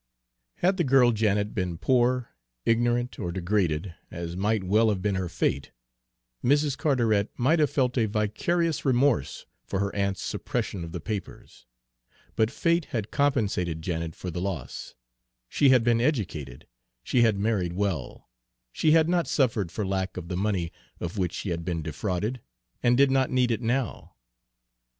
Had the girl Janet been poor, ignorant, or degraded, as might well have been her fate, Mrs. Carteret might have felt a vicarious remorse for her aunt's suppression of the papers; but fate had compensated Janet for the loss; she had been educated, she had married well; she had not suffered for lack of the money of which she had been defrauded, and did not need it now.